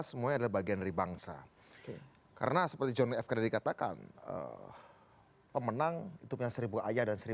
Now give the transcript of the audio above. semuanya bagian dari bangsa karena seperti jomfk dikatakan pemenang itu punya seribu ayah dan seribu